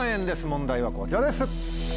問題はこちらです。